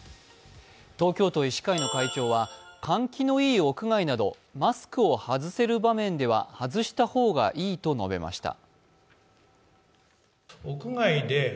東京都医師会の会長は換気のいい屋外などマスクを外せる場面では外した方がいいと述べました。